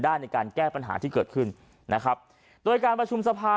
ในการแก้ปัญหาที่เกิดขึ้นนะครับโดยการประชุมสภา